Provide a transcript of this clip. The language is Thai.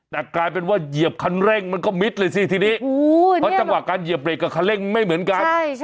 แต่กลายเป็นว่าเหยียบคันเร่งมันก็มิดเลยสิทีนี้เพราะจังหวะการเหยียบเรกกับคันเร่งไม่เหมือนกัน